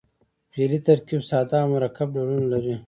فعلي ترکیب ساده او مرکب ډولونه لري.